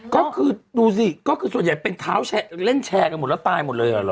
ก็คือดูสิก็คือส่วนใหญ่เป็นเท้าแชร์เล่นแชร์กันหมดแล้วตายหมดเลยเหรอ